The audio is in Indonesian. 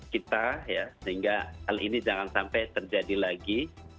kita ya sehingga hal ini jangan sampai terjadi lagi